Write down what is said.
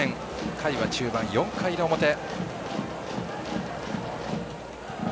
回は中盤、４回の表。